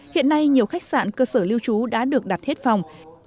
hiện nay nhiều khách sạn cơ sở lưu trú đã được đặt hết phòng